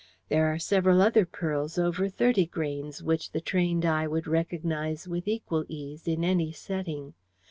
There are several other pearls over thirty grains which the trained eye would recognize with equal ease in any setting.